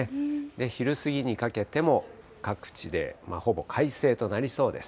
昼過ぎにかけても各地でほぼ快晴となりそうです。